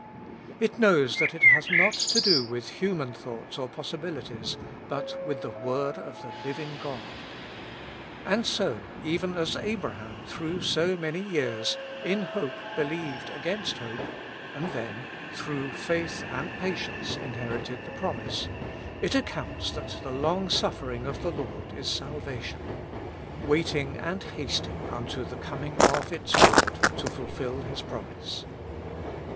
It knows that it has to do not with human thoughts or possibilities, but with the word of the living God, And so, even as Abraham through so many years "in hope believed against hope," and then "through faith and patience inhe rited the promise," it accounts that the long suffering of the Lord is salvation, waiting and hasting unto the coming of its Lord to fulfill His promise.